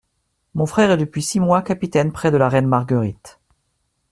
Mon frère est depuis six mois capitaine près de la reine Marguerite.